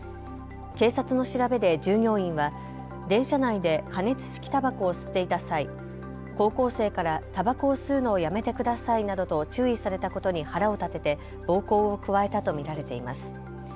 警察の調べで従業員は電車内で加熱式たばこを吸っていた際高校生から、たばこを吸うのをやめてくださいなどと注意されたことに腹を立てて暴行を加えたと見られています。